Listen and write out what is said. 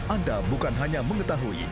anda bukan hanya mengetahui